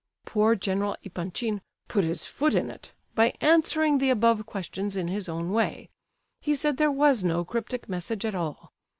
Poor General Epanchin "put his foot in it" by answering the above questions in his own way. He said there was no cryptic message at all.